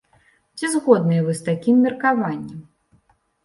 Ці згодныя вы з такім меркаваннем?